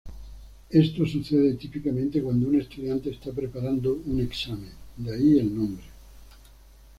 Esto sucede típicamente cuando un estudiante está preparando un examen, de ahí el nombre.